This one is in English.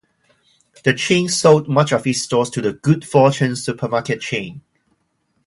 The chain sold much of its stores to the Good Fortune Supermarket chain.